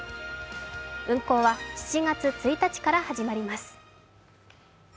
運航は７月１日から始まります。